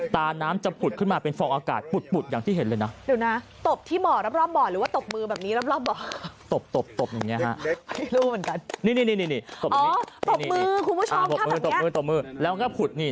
ตาน้ำจะผุดขึ้นมาเป็นฟองอากาศปุดตบที่เมาะรอบระบอนหรือหรือตบมือแบบนี้ตบผุดแบบนี้